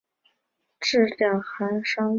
治两感伤寒。